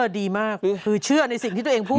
ดีมากคือเชื่อในสิ่งที่ตัวเองพูด